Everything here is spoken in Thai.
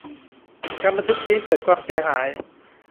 การบันทึกนี้เกิดความเสียหาย